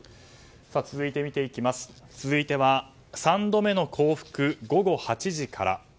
続いては３度目の降伏、午後８時から。